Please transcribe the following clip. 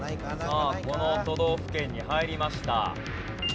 さあこの都道府県に入りました。